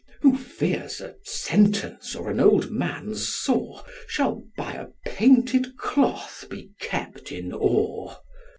Who fears a sentence or an old man's saw Shall by a painted cloth be kept in awe.'